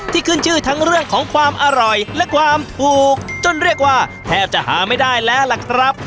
ขึ้นชื่อทั้งเรื่องของความอร่อยและความถูกจนเรียกว่าแทบจะหาไม่ได้แล้วล่ะครับ